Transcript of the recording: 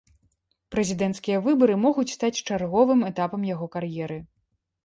Прэзідэнцкія выбары могуць стаць чарговым этапам яго кар'еры.